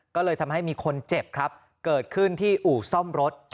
ก็เลยทำให้มีคนเจ็บครับเกิดขึ้นที่อู่ซ่อมรถ